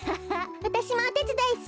わたしもおてつだいする。